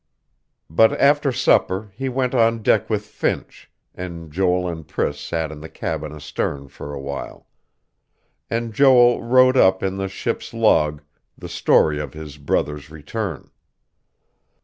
But after supper, he went on deck with Finch, and Joel and Priss sat in the cabin astern for a while; and Joel wrote up, in the ship's log, the story of his brother's return.